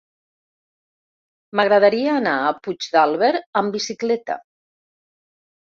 M'agradaria anar a Puigdàlber amb bicicleta.